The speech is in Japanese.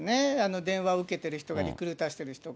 電話を受けている人がリクルーターしてる人が。